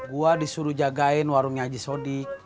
gua disuruh jagain warungnya aji sodiq